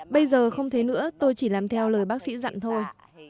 bây giờ không thế nữa tôi chỉ làm theo lời bác sĩ dặn thôi